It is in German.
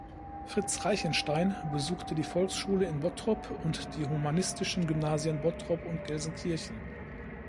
Fritz Reichenstein besuchte die Volksschule in Bottrop und die humanistischen Gymnasien Bottrop und Gelsenkirchen.